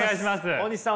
大西さん